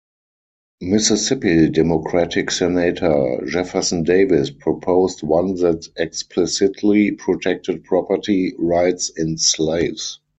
Mississippi Democratic Senator Jefferson Davis proposed one that explicitly protected property rights in slaves.